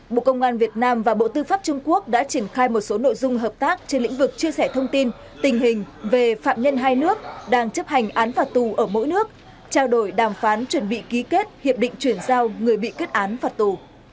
bộ công an việt nam và bộ tư pháp trung quốc đã triển khai một số nội dung hợp tác trên lĩnh vực chia sẻ thông tin tình hình về phạm nhân hai nước đang chấp hành án phạt tù ở mỗi nước trao đổi đàm phán chuẩn bị ký kết hiệp định chuyển giao người bị kết án phạt tù